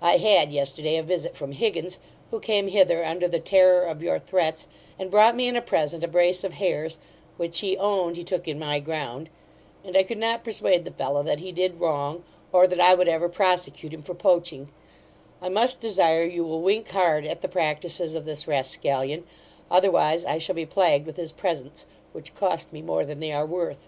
I had, yesterday, a visit from Higgins, who came hither under the terror of your threats, and brought me in a present a brace of hares, which he owned he took in my ground; and I could not persuade the fellow that he did wrong, or that I would ever prosecute him for poaching I must desire you will wink hard at the practices of this rascallion, otherwise I shall be plagued with his presents, which cost me more than they are worth.